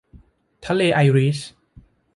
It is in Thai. ทะเลไอริช